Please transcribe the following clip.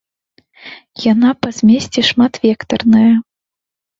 Яна па змесце шматвектарная!